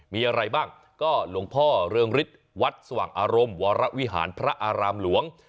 มีอะไรบ้างก็หลวงพ่อเรืองฤทธิ์วัดสว่างอารมณ์วรวิหารพระอารามหลวง